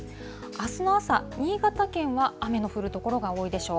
あすの朝、新潟県は雨の降る所が多いでしょう。